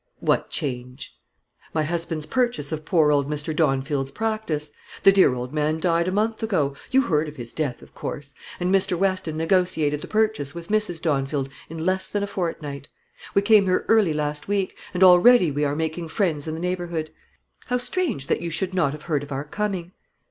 "What change?" "My husband's purchase of poor old Mr. Dawnfield's practice. The dear old man died a month ago, you heard of his death, of course, and Mr. Weston negotiated the purchase with Mrs. Dawnfield in less than a fortnight. We came here early last week, and already we are making friends in the neighbourhood. How strange that you should not have heard of our coming!"